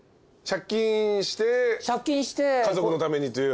借金して家族のためにっていう。